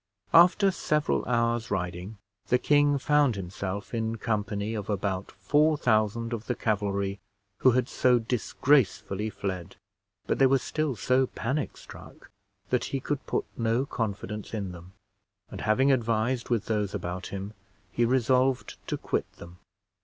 After several hours' riding, the king found himself in company of about 4000 of the cavalry who had so disgracefully fled; but they were still so panic struck that he could put no confidence in them, and having advised with those about him, he resolved to quit them.